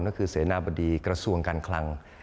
ก็คือเสนาบดีกระทรวงการคลัง